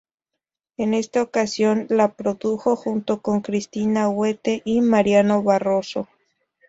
En esta ocasión la produjo junto con Cristina Huete y Mariano Barroso.